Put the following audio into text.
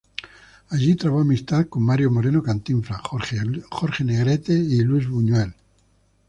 Ahí trabó amistad con Mario Moreno Cantinflas, Jorge Negrete y Luis Buñuel.